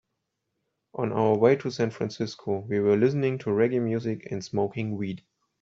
On our way to San Francisco, we were listening to reggae music and smoking weed.